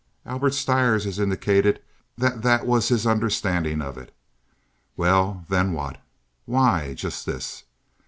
Albert Stires has indicated that that was his understanding of it. Well, then what? Why, just this.